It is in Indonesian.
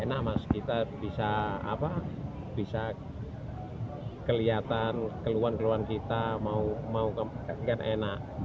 enak mas kita bisa kelihatan keluhan keluhan kita mau kan enak